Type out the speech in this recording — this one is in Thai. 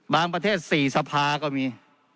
ประเทศ๔สภาก็มี